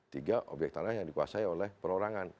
tiga obyek tanah yang dikuasai oleh perorangan